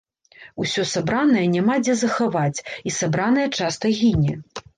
Усё сабранае няма дзе захаваць, і сабранае часта гіне.